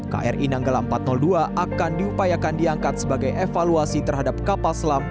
kri nanggala empat ratus dua akan diupayakan diangkat sebagai evaluasi terhadap kapal selam